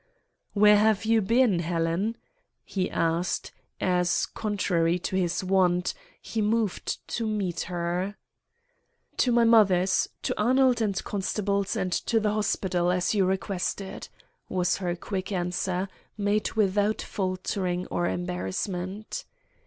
"'Where have you been, Helen?' he asked, as, contrary to his wont, he moved to meet her. "'To my mother's, to Arnold & Constable's, and to the hospital, as you requested,' was her quick answer, made without faltering or embarrassment.